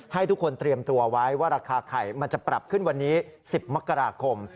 ให้ทุกคนเตรียมตัวไว้ว่าราคาไข่มันจะปรับขึ้นวันนี้๑๐มกราคม